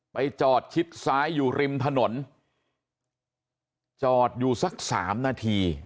จอดชิดซ้ายอยู่ริมถนนจอดอยู่สักสามนาที